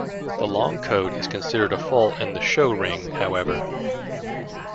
The long coat is considered a fault in the show ring, however.